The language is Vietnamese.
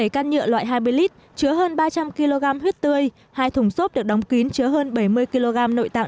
bảy can nhựa loại hai mươi lít chứa hơn ba trăm linh kg huyết tươi hai thùng xốp được đóng kín chứa hơn bảy mươi kg nội tạng